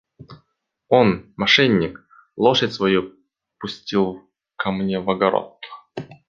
Он, мошенник, лошадь свою пустил ко мне в огород.